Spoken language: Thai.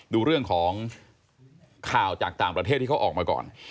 ดูเรื่องของข่าวจากต่างประเทศที่เขาออกมาก่อน